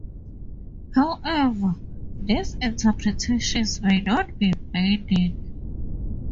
However, these interpretations may not be binding.